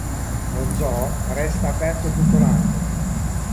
Lo zoo resta aperto tutto l'anno.